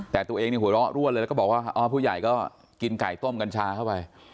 แต่ตัวเองเนี่ยหัวเราะร่วนเลยแล้วก็บอกว่าผู้ใหญ่ก็กินไก่ต้มกัญชาเข้าไป